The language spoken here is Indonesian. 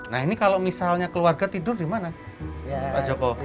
nah ini kalau misalnya keluarga tidur di mana